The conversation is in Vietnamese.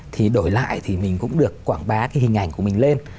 thì đổi lại thì mình cũng được quảng bá cái hình ảnh của mình lên